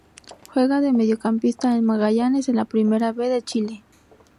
Juega de mediocampista en Magallanes de la Primera B de Chile.